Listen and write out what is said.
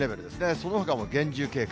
そのほかも厳重警戒。